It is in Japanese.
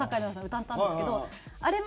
歌ったんですけどあれ